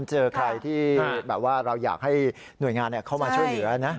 เจอใครที่แบบว่าเราอยากให้หน่วยงานเข้ามาช่วยเหลือนะ